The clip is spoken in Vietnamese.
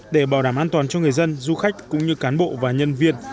để bảo đảm an toàn cho người dân du khách cũng như cán bộ và nhân viên